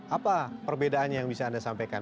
apa perbedaannya yang bisa anda sampaikan